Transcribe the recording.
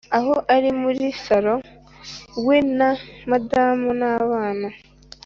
aho arimuri saro we na madame nabana.